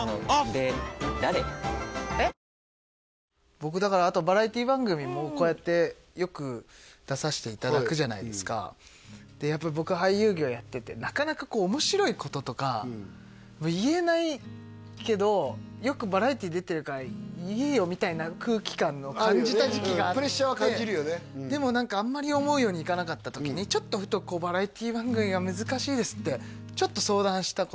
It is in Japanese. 僕だからあとバラエティ番組もこうやってよく出させていただくじゃないですかでやっぱり僕俳優業やっててなかなかこう面白いこととか言えないけど「よくバラエティ出てるから言えよ」みたいな空気感を感じた時期があってプレッシャーは感じるよねうんでも何かあんまり思うようにいかなかった時にちょっとふとこうさんまさんに？